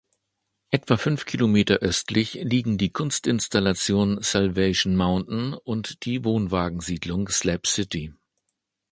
Etwa fünf Kilometer östlich liegen die Kunstinstallation Salvation Mountain und die Wohnwagensiedlung Slab City.